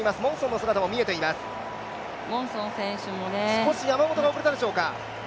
少し山本が遅れたでしょうか。